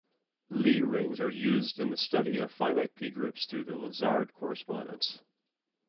Lie rings are used in the study of finite p-groups through the Lazard correspondence.